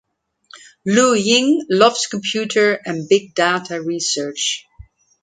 Lu Jing loves computer and big data research.